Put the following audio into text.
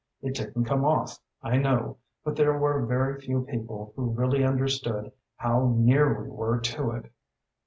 It didn't come off, I know, but there were very few people who really understood how near we were to it.